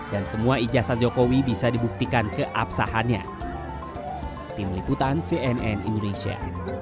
dan semua ijazah jokowi bisa dibuktikan keapsahannya